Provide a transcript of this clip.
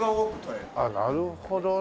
あっなるほどね。